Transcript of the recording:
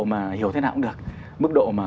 mà hiểu thế nào cũng được mức độ mà